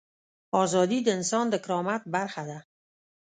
ازادي د انسان د کرامت برخه ده.